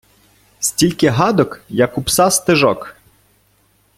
Стільки гадок, як у пса стежок.